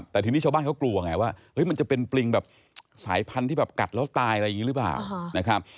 แต่ทีนี้ชาวบ้านเขากลัวว่าไหนว่ามันจะเป็นปลิงแบบสายพันธุ์ที่กัดแล้วตายหรือเปล่า